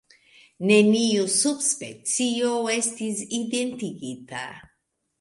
Neniu subspecio estis identigita.